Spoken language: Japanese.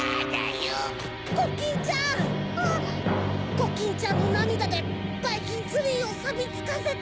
コキンちゃんのなみだでばいきんツリーをさびつかせて！